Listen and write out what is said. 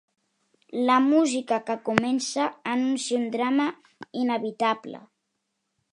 La música que comença anuncia un drama inevitable.